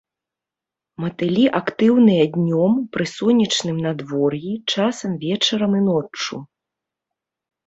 Матылі актыўныя днём, пры сонечным надвор'і, часам вечарам і ноччу.